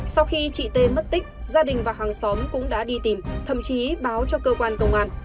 sau khi chị tê mất tích gia đình và hàng xóm cũng đã đi tìm thậm chí báo cho cơ quan công an